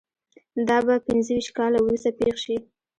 دا به پنځه ویشت کاله وروسته پېښ شي